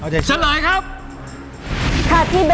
ชันไหล่ครับ